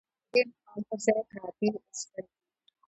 د دې مقاومت ځای حادې شخړې دي.